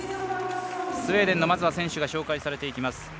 スウェーデンの選手が紹介されていきます。